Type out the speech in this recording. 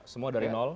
semua dari nol